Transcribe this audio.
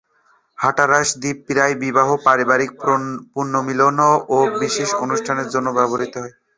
হাট্টারাস দ্বীপ প্রায়ই বিবাহ, পারিবারিক পুনর্মিলন এবং বিশেষ অনুষ্ঠানের জন্য ব্যবহৃত হয়।